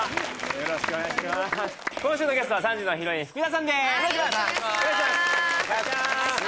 よろしくお願いします